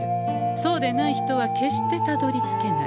そうでない人は決してたどりつけない。